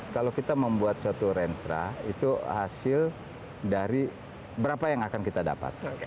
kalau kita membuat suatu renstra itu hasil dari berapa yang akan kita dapat